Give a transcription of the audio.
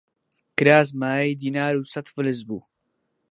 کراس مایەی دینار و سەت فلس بوو